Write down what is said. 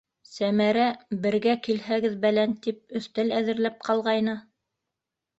Сәмәрә, бергә килһәгеҙ-бәлән тип, өҫтәл әҙерләп ҡалғайны.